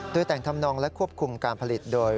โดยแต่งทำนองและควบคุมการผลิตโดย